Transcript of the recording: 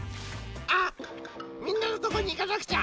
あっみんなのとこにいかなくちゃ！